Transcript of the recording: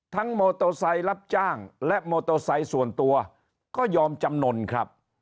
ทั้งโมโตไซต์รับจ้างและโมโตไซต์ส่วนตัวก็ยอมจำนนครับ